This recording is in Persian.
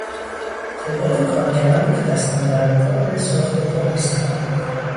تعداد کارگرانی که دست اندرکار ساختن پل هستند